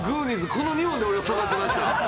この２本で育ちました。